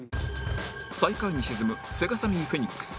最下位に沈むセガサミーフェニックス